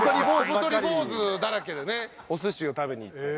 小太り坊主だらけでねお寿司を食べに行って。